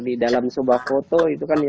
di dalam sebuah foto itu kan